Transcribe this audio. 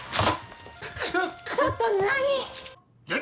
ちょっと何！